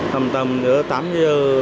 tầm tầm nữa tám giờ